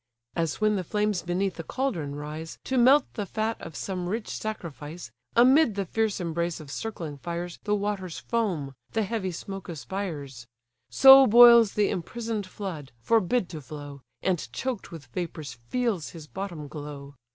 As when the flames beneath a cauldron rise, To melt the fat of some rich sacrifice, Amid the fierce embrace of circling fires The waters foam, the heavy smoke aspires: So boils the imprison'd flood, forbid to flow, And choked with vapours feels his bottom glow.